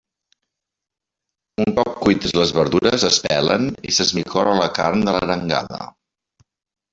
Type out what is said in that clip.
Un cop cuites les verdures, es pelen i s'esmicola la carn de l'arengada.